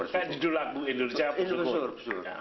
saya didulak bu indonesia bersyukur